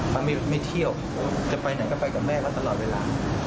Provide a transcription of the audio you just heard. ถ้าไม่เที่ยวจะไปไหนก็ไปกับแม่เขาตลอดเวลา